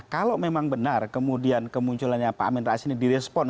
kalau memang benar kemudian kemunculannya pak amin rais ini direspon